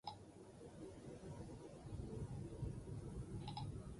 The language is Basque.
Elkarri bostekoa eman zioten, baina ez ziren benetan adiskidetu.